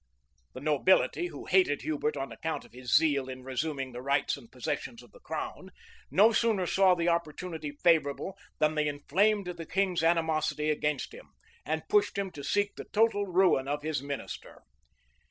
[] The nobility, who hated Hubert on account of his zeal in resuming the rights and possessions of the crown, no sooner saw the opportunity favorable, than they inflamed the king's animosity against him, and pushed him to seek the total ruin of his minister.